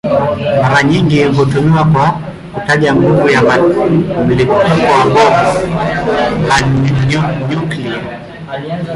Mara nyingi hutumiwa kwa kutaja nguvu ya mlipuko wa bomu la nyuklia.